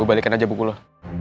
gue balikin aja buku lo